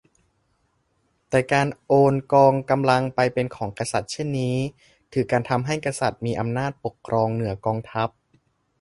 แต่การโอนกองกำลังไปเป็นของกษัตริย์เช่นนี้ คือการทำให้กษัตริย์มีอำนาจปกครองเหนือกองทัพ